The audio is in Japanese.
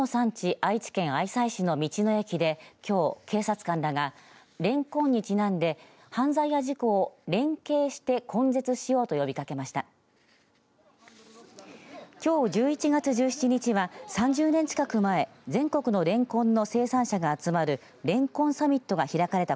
愛知県愛西市の道の駅で、きょう警察官らがレンコンにちなんで犯罪や事故を連携して根絶しようと呼びかけました。